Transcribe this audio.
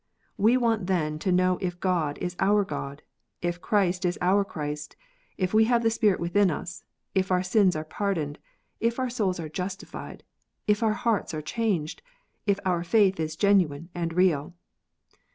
We want then to know if God is our God, if Christ is our Christ, if we have the Spirit within us, if our sins are pardoned, if our souls are justified, if our hearts are changed, if our faith is genuine and real.